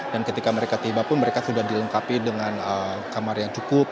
dan ketika mereka tiba pun mereka sudah dilengkapi dengan kamar yang cukup